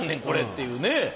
これっていうね。